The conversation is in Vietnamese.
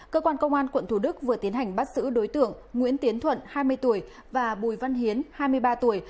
cơ quan công an quận thủ đức vừa tiến hành bắt giữ đối tượng nguyễn tiến thuận hai mươi tuổi và bùi văn hiến hai mươi ba tuổi